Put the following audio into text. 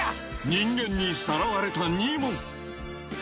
人間にさらわれたニモ。